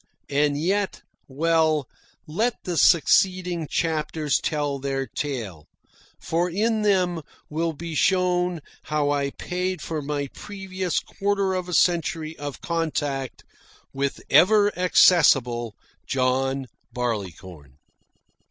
And yet well, let the succeeding chapters tell their tale, for in them will be shown how I paid for my previous quarter of a century of contact with ever accessible John Barleycorn.